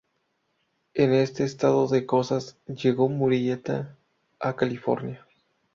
En este estado de cosas llegó Murieta a California.